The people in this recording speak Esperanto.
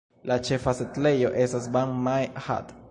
La ĉefa setlejo estas Ban Mae Hat.